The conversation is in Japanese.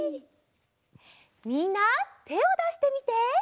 みんなてをだしてみて。